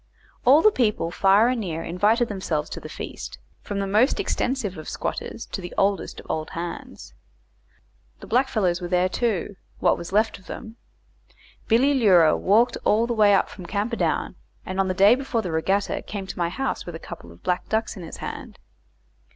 All the people far and near invited themselves to the feast, from the most extensive of squatters to the oldest of old hands. The blackfellows were there, too what was left of them. Billy Leura walked all the way from Camperdown, and on the day before the regatta came to my house with a couple of black ducks in his hand.